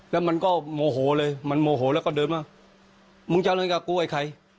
แล้วมันก็โมโหเลยมันโมโหแล้วก็เดินมามึงจะเอาอะไรกับกูไอ้ใคร